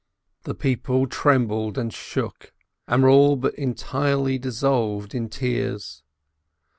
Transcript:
The people trembled and shook and were all but entirely dissolved in tears.